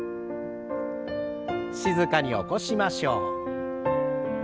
静かに起こしましょう。